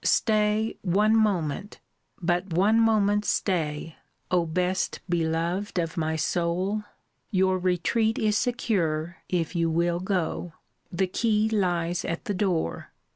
Stay, one moment but one moment stay, O best beloved of my soul! Your retreat is secure, if you will go: the key lies at the door.